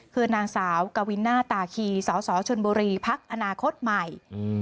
คือนางสาวกวินาตาคีสสชนบุรีพักอนาคตใหม่